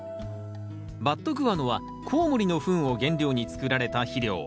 バットグアノはコウモリのフンを原料に作られた肥料。